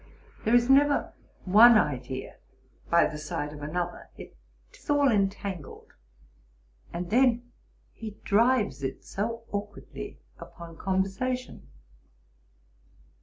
There is never one idea by the side of another; 'tis all entangled: and then he drives it so aukwardly upon conversation.'